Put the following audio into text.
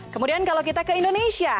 kemudian kalau kita ke indonesia